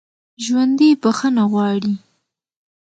ژوندي بخښنه غواړي